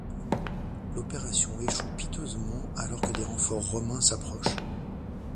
L'opération échoue piteusement alors que des renforts romains s'approchent.